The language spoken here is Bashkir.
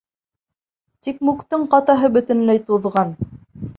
Тик Муктың ҡатаһы бөтөнләй туҙған.